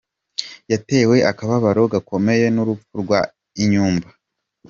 yatewe akababaro gakomeye n’urupfu rwa Inyumba